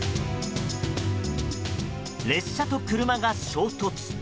列車と車が衝突。